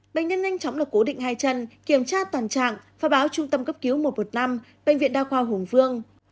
bệnh nhân nhanh chóng được cố định hai chân kiểm tra toàn trạng và báo trung tâm cấp cứu một trăm một mươi năm bệnh viện đa khoa hùng vương